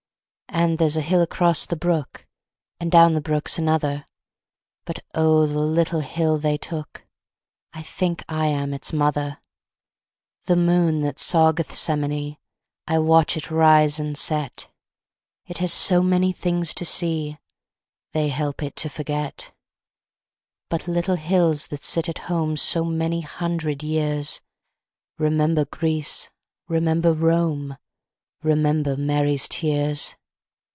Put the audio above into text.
And there's a hill across the brook, And down the brook's another; But, oh, the little hill they took, I think I am its mother! The moon that saw Gethsemane, I watch it rise and set: It has so many things to see, They help it to forget. But little hills that sit at home So many hundred years, Remember Greece, remember Rome, Remember Mary's tears.